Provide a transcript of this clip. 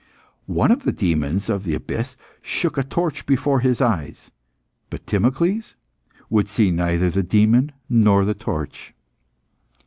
One of the demons of the abyss shook a torch before his eyes, but Timocles would see neither the demon nor the torch.